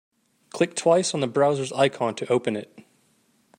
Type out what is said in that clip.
Click twice on the browser's icon to open it.